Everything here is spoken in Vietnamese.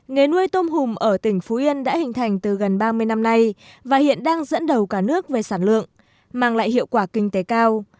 nghề nuôi tôm hùm ở tỉnh phú yên đã hình thành từ gần ba mươi năm nay và hiện đang dẫn đầu cả nước về sản lượng mang lại hiệu quả kinh tế cao